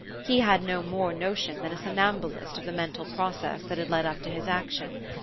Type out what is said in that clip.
He had no more notion than a somnambulist of the mental process that had led up to this action.